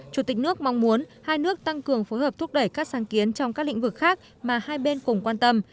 chủ tịch nước mong muốn hai nước tăng cường phối hợp thúc đẩy các sáng kiến trong các lĩnh vực khác mà hai bên cùng quan tâm